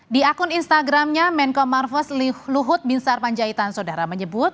di akun instagramnya menko marves luhut binsar panjaitan sodara menyebut